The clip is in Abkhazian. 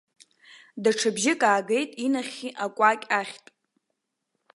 Даҽа бжьык аагеит инахьхьи акәакь ахьтә.